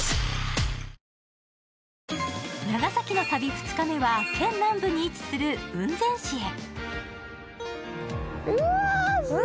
２日目は、県南部に位置する雲仙市へ。